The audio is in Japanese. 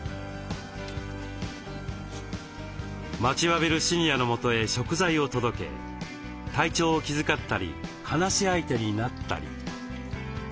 待ちわびるシニアのもとへ食材を届け体調を気遣ったり話し相手になったり。